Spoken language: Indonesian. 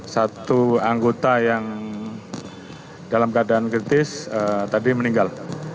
satu anggota yang dalam keadaan kritis tadi meninggal